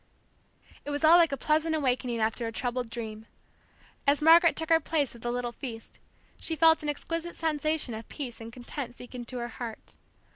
It was all like a pleasant awakening after a troubled dream. As Margaret took her place at the little feast, she felt an exquisite sensation of peace and content sink into her heart.